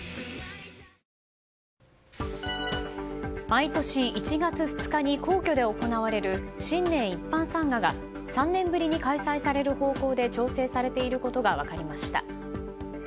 毎年１月２日に皇居で行われる新年一般参賀が３年ぶりに開催される方向で調整されていることが分かりました。